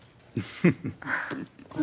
フフフ。